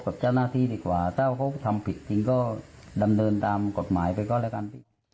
กับเจ้าหน้าที่ดีกว่าถ้าเขาทำผิดจริงก็ดำเนินตามกฎหมายไปก็แล้วกัน